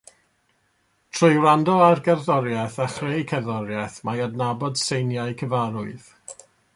Trwy wrando ar gerddoriaeth a chreu cerddoriaeth, mae'n adnabod seiniau cyfarwydd